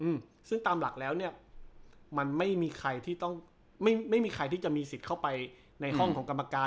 อืมซึ่งตามหลักแล้วเนี่ยมันไม่มีใครที่จะมีสิทธิ์เข้าไปในห้องของกรรมการ